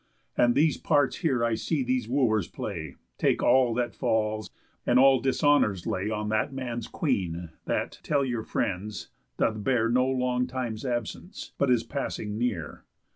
And these parts here I see these Wooers play, Take all that falls, and all dishonours lay On that man's Queen, that, tell your friends, doth bear No long time's absence, but is passing near.